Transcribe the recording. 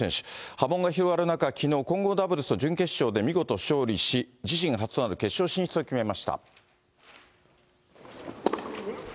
波紋が広がる中、きのう、混合ダブルスの準決勝で見事勝利し、自身初となる決勝進出を決めました。